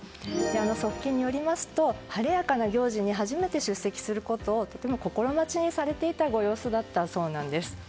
側近によりますと晴れやかな行事に初めて出席することをとても心待ちにされていたご様子だったそうなんです。